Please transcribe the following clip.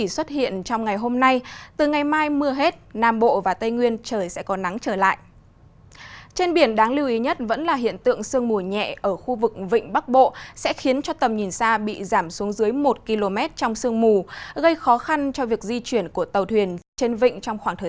xin chào và hẹn gặp lại trong các bản tin tiếp theo